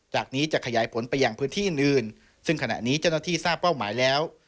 จากนี้จะขยายผลไปอย่างพื้นที่อื่นซึ่งขณะนี้เจ้าหน้าที่ทราบเป้าหมายแล้ว